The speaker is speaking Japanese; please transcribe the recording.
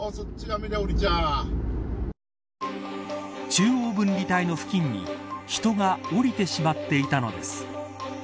中央分離帯の付近に人が降りてしまっていたのです。